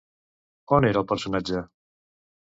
On era el personatge?